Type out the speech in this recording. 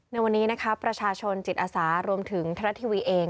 ในวันนี้นะคะประชาชนจิตอาสารวมถึงทรัฐทีวีเอง